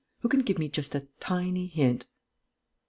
Who can give me just a tiny hint?...